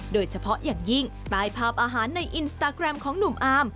โดยเฉพาะอย่างยิ่งใต้ภาพอาหารในอินสตาแกรมของหนุ่มอาร์ม